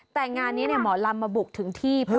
แต่งานนี้หมอลำมาบุกถึงที่